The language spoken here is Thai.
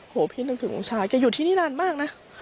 พี่นึกถึงลูกชายแกอยู่ที่นี่นานมากนะ